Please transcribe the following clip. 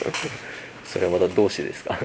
それはまたどうしてですか？